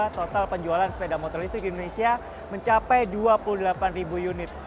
total penjualan sepeda motor listrik di indonesia mencapai dua puluh delapan ribu unit